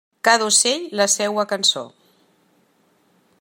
Cada ocell la seua cançó.